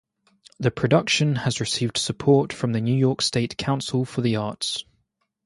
The production has received support from the New York State Council for the Arts.